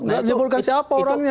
tidak diburukan siapa orangnya